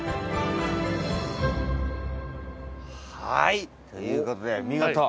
はい。